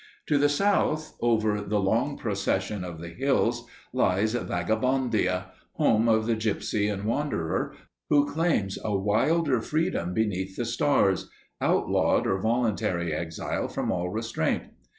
To the south, over the long procession of the hills, lies Vagabondia, home of the gypsy and wanderer, who claims a wilder freedom beneath the stars outlawed or voluntary exile from all restraint.